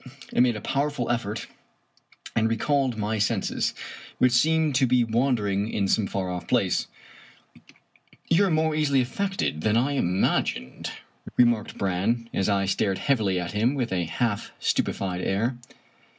I made a pow erful effort and recalled my senses, which seemed to be wandering in some far off place. " You are more easily affected than I imagined," re marked Brann, as I stared heavily at him with a half stu pefied air.